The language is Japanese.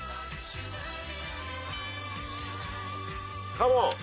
カモン！